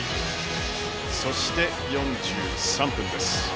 そして、４３分です。